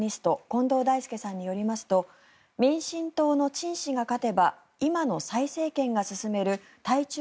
近藤大介さんによりますと民進党のチン氏が勝てば今の蔡政権が進める対中